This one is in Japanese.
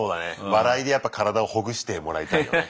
笑いでやっぱ体をほぐしてもらいたいよね。